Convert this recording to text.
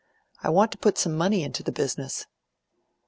I want to put some money into the business."